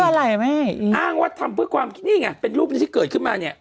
อะไรแม่อ้างว่าทำเพื่อความคิดนี่ไงเป็นรูปนี้ที่เกิดขึ้นมาเนี่ย